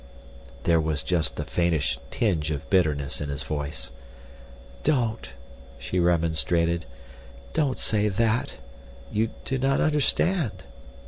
There was just the faintest tinge of bitterness in his voice. "Don't," she remonstrated. "Don't say that. You do not understand."